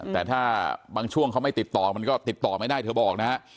แต่ถ้าบางช่วงเขาไม่ติดต่อมันก็ติดต่อไม่ได้เธอบอกนะฮะ